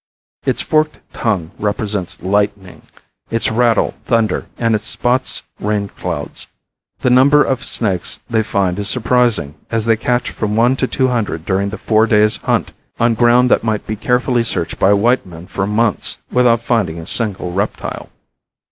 Its forked tongue represents lightning, its rattle thunder and its spots rain clouds. The number of snakes they find is surprising, as they catch from one to two hundred during the four days' hunt on ground that might be carefully searched by white men for months without finding a single reptile.